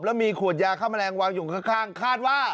แล้วมีขวดยาฆ่าแมลงวางอยู่ข้างคาดว่า